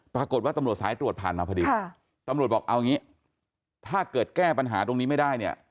ปรากฏว่าตำรวจสายตรวจผ่านมาพอดีตำรวจบอกเอาอย่างนี้ถ้าเกิดแก้ปัญหาตรงนี้ไม่ได้เนี่ย